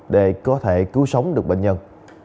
để có thể cứu sống được bệnh nhân